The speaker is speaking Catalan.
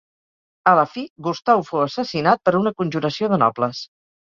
A la fi, Gustau fou assassinat per una conjuració de nobles.